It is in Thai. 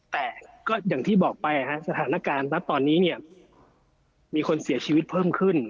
แต่ก็อย่างที่บอกไปสถานการณ์ณตอนนี้เนี่ยมีคนเสียชีวิตเพิ่มขึ้น